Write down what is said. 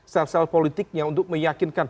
sel sel politiknya untuk meyakinkan